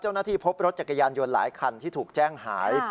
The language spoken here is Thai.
พบรถจักรยานยนต์หลายคันที่ถูกแจ้งหาย